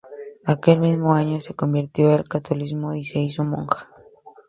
Aquel mismo año se convirtió al catolicismo y se hizo monja.